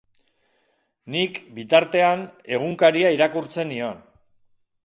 Nik, bitartean, egunkaria irakurtzen nion.